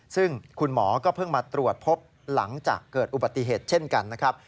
ซึ่งคุณหมอก็เพิ่งมาตรวจพบหลังจากเกิดอุบัติเหตุเช่นกันนะครับ